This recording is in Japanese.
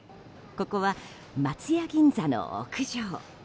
ここは、松屋銀座の屋上。